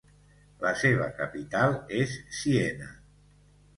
La seva capital és Siena.